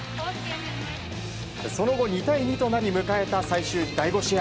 その後、２対２となり迎えた最終第５試合。